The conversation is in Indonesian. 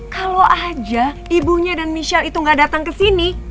kalau aja ibunya dan michelle itu ga datang kesini